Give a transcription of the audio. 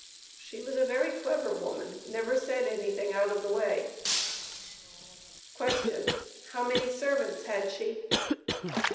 "She was a very clever woman; never said anything out of the way." Q. "How many servants had she?"